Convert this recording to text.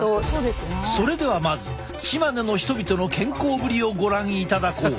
それではまずチマネの人々の健康ぶりをご覧いただこう！